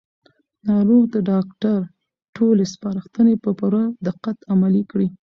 ناروغ د ډاکټر ټولې سپارښتنې په پوره دقت عملي کړې